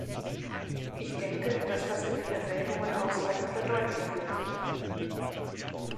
Ich denke, dass das in den Erwägungen ausreichend verdeutlicht wurde.